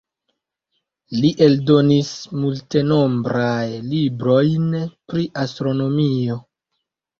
Li eldonis multenombraj librojn pri astronomio.